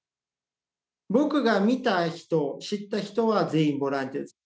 僕が見た人知った人は全員ボランティアです。